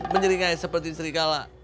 menyeringai seperti serigala